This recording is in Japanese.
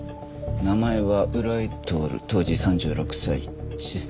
名前は浦井徹当時３６歳システムエンジニアだ。